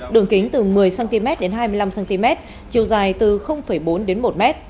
đường kính từ một mươi cm đến hai mươi năm cm chiều dài từ bốn đến một m